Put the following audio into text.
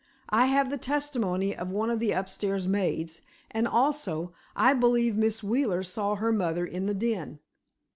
"I have the testimony of one of the upstairs maids, and, also, I believe Miss Wheeler saw her mother in the den."